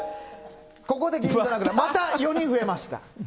ここで銀座クラブ、また４人増えました。